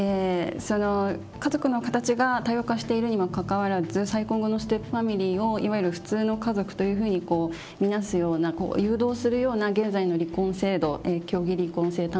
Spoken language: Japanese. その家族の形が多様化しているにもかかわらず再婚後のステップファミリーをいわゆる普通の家族というふうに見なすような誘導するような現在の離婚制度協議離婚制